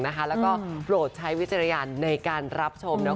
แล้วก็โปรดใช้วิจารณญาณในการรับชม